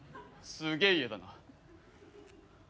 すげえ家だな。